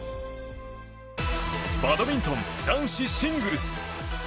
バドミントン男子シングルス。